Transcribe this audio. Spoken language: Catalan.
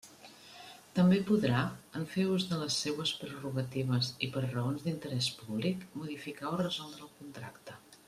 També podrà, en fer ús de les seues prerrogatives i per raons d'interés públic, modificar o resoldre el contracte.